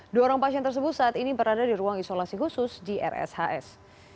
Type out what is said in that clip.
dua orang pasien tersebut saat ini berada di ruang isolasi khusus di rshs